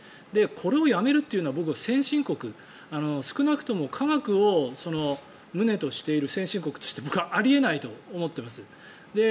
これをやめるというのは僕は先進国少なくとも科学を旨としている僕はあり得ないと思っています。